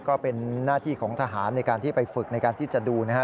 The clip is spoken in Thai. ก็เป็นหน้าที่ของทหารในการที่ไปฝึกในการที่จะดูนะฮะ